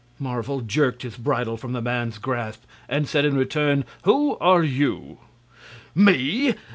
Marvel jerked his bridle from the man's grasp and said in return: "Who are you?" "Me!